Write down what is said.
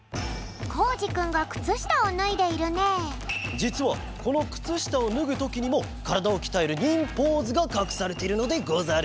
じつはこのくつしたをぬぐときにもからだをきたえる忍ポーズがかくされているのでござる。